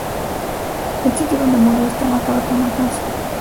El sitio donde murió está marcado con una cruz.